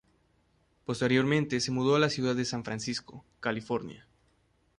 Posteriormente se mudó a la ciudad de San Francisco, California.